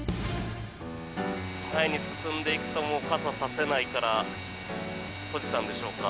前に進んでいくともう傘が差せないから閉じたんでしょうか。